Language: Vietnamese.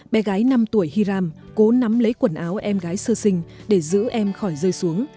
bé gái năm tuổi hiram cố nắm lấy quần áo em gái sơ sinh để giữ em khỏi rơi xuống